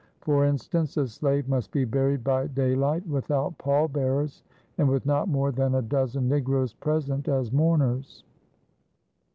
For instance, a slave must be buried by daylight, without pallbearers and with not more than a dozen negroes present as mourners.